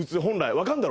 分かるだろ？